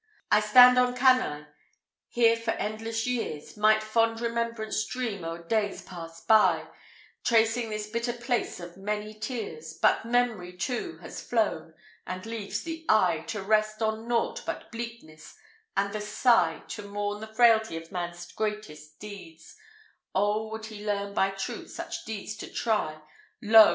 II. "I stand on Cannæ: here for endless years, Might fond remembrance dream o'er days pass'd by, Tracing this bitter place of many tears: But mem'ry too has flown, and leaves the eye To rest on nought but bleakness, and the sigh To mourn the frailty of man's greatest deeds Oh, would he learn by truth such deeds to try, Lo!